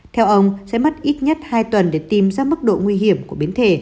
theo ông sẽ mất ít nhất hai tuần để tìm ra mức độ nguy hiểm của biến thể